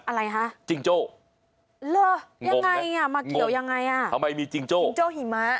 อะไรฮะจิงโจ้งงไงมาเกี่ยวยังไงจิงโจ้หิมะ